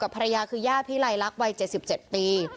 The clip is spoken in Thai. ภรรยาคือย่าพิไลลักษณ์วัย๗๗ปี